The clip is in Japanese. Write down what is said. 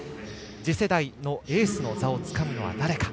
次世代のエースの座をつかむのは誰か。